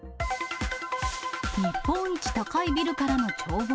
日本一高いビルからの眺望。